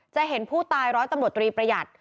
เห็นผู้ตายร้อยตำรวจตรีประหยัด